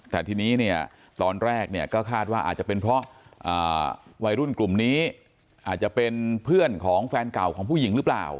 แต่ทีนี้เนี่ยตอนแรกเนี่ยก็คาดว่าอาจจะเป็นเพราะวัยรุ่นกลุ่มนี้อาจจะเป็นเพื่อนของแฟนเก่าของผู้หญิงหรือเปล่า